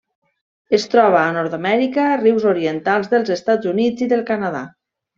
Es troba a Nord-amèrica: rius orientals dels Estats Units i del Canadà.